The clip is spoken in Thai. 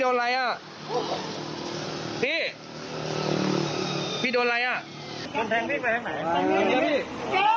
อะไรยังครับครึ่งนี้ขอใจอย่างนี้อ่ะอ้อ